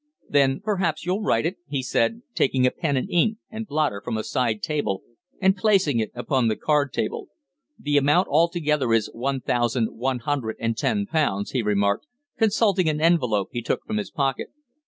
"Then perhaps you'll write it?" he said, taking a pen and ink and blotter from a side table and placing it upon the card table. "The amount altogether is one thousand one hundred and ten pounds," he remarked, consulting an envelope he took from his pocket.